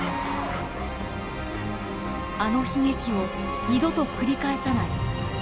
あの悲劇を二度と繰り返さない。